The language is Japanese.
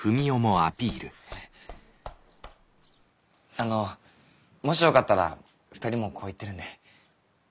あのもしよかったら２人もこう言ってるんで。